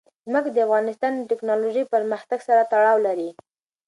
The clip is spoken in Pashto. ځمکه د افغانستان د تکنالوژۍ پرمختګ سره تړاو لري.